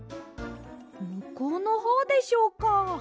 むこうのほうでしょうか？